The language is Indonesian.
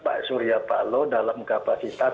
pak surya palo dalam kapasitas